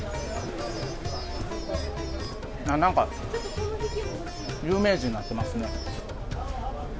なんか、有名人になってますね。